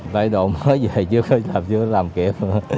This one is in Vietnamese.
tại độ mới về chưa có làm kịp